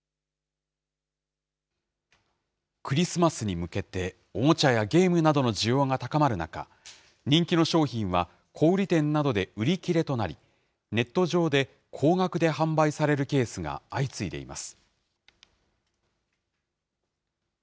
クリスマスに向けて、おもちゃやゲームなどの需要が高まる中、人気の商品は小売店などで売り切れとなり、ネット上で高額で販売されるケースが相次いでいます。